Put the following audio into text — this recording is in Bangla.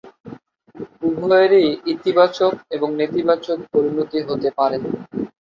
উভয়েরই ইতিবাচক এবং নেতিবাচক পরিণতি হতে পারে।